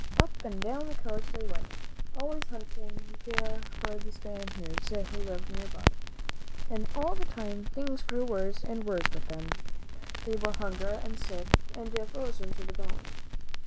Up and down the coast they went, always hunting for the Spaniards who lived nearby, and all the time things grew worse and worse with them. They were hungry and sick and frozen to the bone.